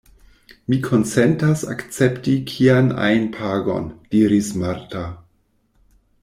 Mi konsentas akcepti kian ajn pagon, diris Marta.